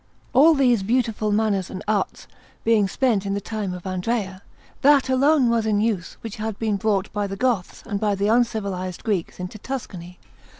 All these beautiful manners and arts being spent in the time of Andrea, that alone was in use which had been brought by the Goths and by the uncivilized Greeks into Tuscany.